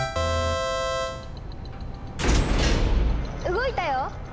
動いたよ！